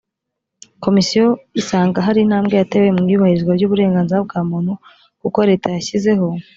komisiyo isanga hari intambwe yatewe mu iyubahirizwa ry uburenganzira bwa muntu kuko leta yashyizeho